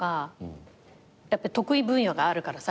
やっぱり得意分野があるからさ